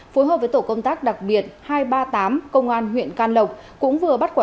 phối hợp với tổ công tác đặc biệt hai trăm ba mươi tám công an huyện can lộc cũng vừa bắt quả